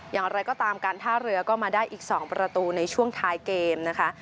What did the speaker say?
อย่างไรก็ตามการท่าเรือก็มาได้อีก๒ประตูในช่วงท้ายเกมนะคะ